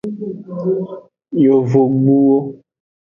Yovogbuwo.